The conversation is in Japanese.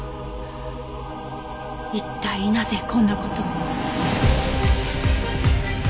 一体なぜこんな事を？